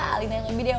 alina yang lebih dewasa